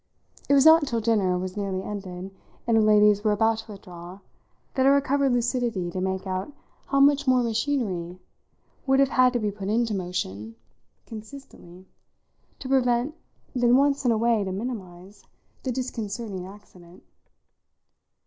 It was not till dinner was nearly ended and the ladies were about to withdraw that I recovered lucidity to make out how much more machinery would have had to be put into motion consistently to prevent, than once in a way to minimise, the disconcerting accident.